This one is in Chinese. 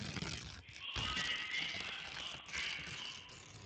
志村簇在郎兰兹纲领扮演重要地位。